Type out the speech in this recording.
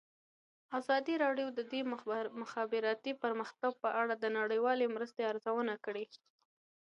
ازادي راډیو د د مخابراتو پرمختګ په اړه د نړیوالو مرستو ارزونه کړې.